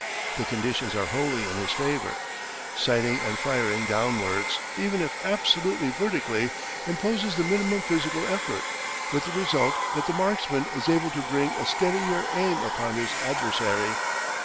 The conditions are wholly in his favour. Sighting and firing downwards, even if absolutely vertically, imposes the minimum physical effort, with the result that the marksman is able to bring a steadier aim upon his adversary.